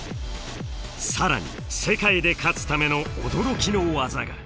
更に世界で勝つための驚きの技が。